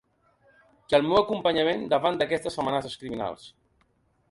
I el meu acompanyament davant d'aquestes amenaces criminals.